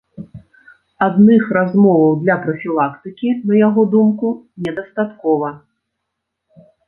Адных размоваў для прафілактыкі, на яго думку, недастаткова.